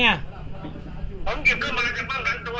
ผมกิดขึ้นมาจัดบ้างซักตัวยังไม่ได้ทำอะไรเลย